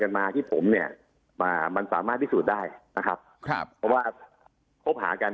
กันมาที่ผมเนี่ยมันสามารถพิสูจน์ได้นะครับการพบหากัน